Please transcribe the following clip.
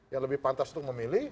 yang lebih pantas untuk memilih